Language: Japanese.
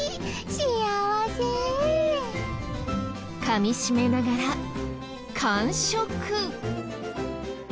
かみしめながら完食。